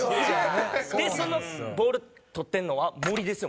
そのボール捕ってるのは森ですよ。